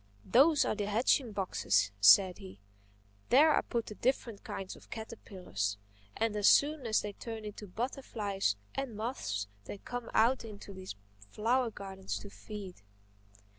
"Those are the hatching boxes," said he. "There I put the different kinds of caterpillars. And as soon as they turn into butterflies and moths they come out into these flower gardens to feed."